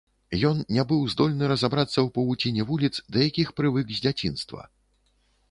Ён не быў здольны разабрацца ў павуціне вуліц, да якіх прывык з дзяцінства.